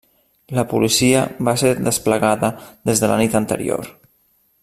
La policia va ser desplegada des de la nit anterior.